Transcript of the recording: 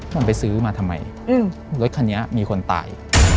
มันไปซื้อมาทำไมรถคันนี้มีคนตาย